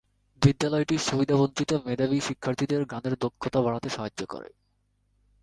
বিদ্যালয়টি সুবিধাবঞ্চিত মেধাবী শিক্ষার্থীদের গানের দক্ষতা বাড়াতে সাহায্য করে।